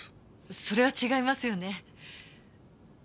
それは違いますよね？